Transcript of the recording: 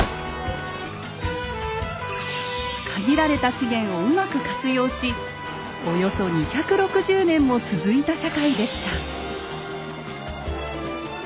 限られた資源をうまく活用しおよそ２６０年も続いた社会でした。